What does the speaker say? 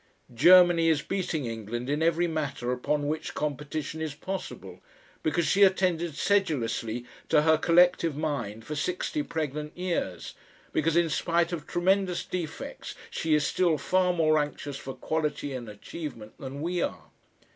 Germany is beating England in every matter upon which competition is possible, because she attended sedulously to her collective mind for sixty pregnant years, because in spite of tremendous defects she is still far more anxious for quality in achievement than we are.